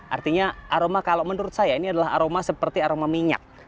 artinya aroma kalau menurut saya ini adalah aroma seperti aroma minyak